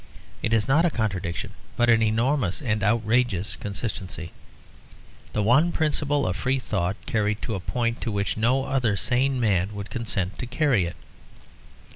It is not a contradiction, but an enormous and outrageous consistency, the one principle of free thought carried to a point to which no other sane man would consent to carry it.